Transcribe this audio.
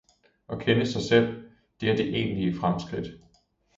Og kende sig selv, det er det egentlige fremskridt.